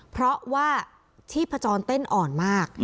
เพราะว่าชีพจรเต้นอ่อนมาก